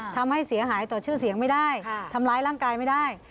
ทำให้เสียหายต่อชื่อเสียงไม่ได้ทำร้ายร่างกายไม่ได้